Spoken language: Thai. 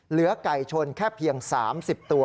เหลือไก่ชนแค่เพียง๓๐ตัว